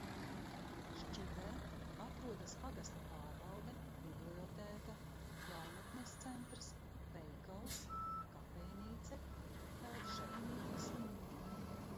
Šķibē atrodas pagasta pārvalde, bibliotēka, jaunatnes centrs, veikals, kafejnīca, feldšerpunkts.